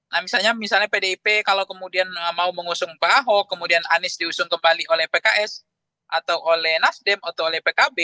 nah misalnya pdip kalau kemudian mau mengusung pak ahok kemudian anies diusung kembali oleh pks atau oleh nasdem atau oleh pkb